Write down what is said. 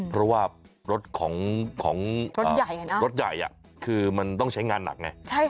เพราะว่ารถของรถใหญ่รถใหญ่คือมันต้องใช้งานหนักไง